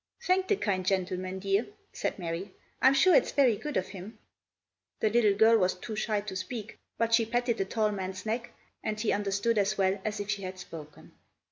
"Thank the kind gentleman, dear!" said Mary. "I'm sure it's very good of him." The little girl was too shy to speak, but she patted the tall man's neck, and he understood as well as if she had spoken.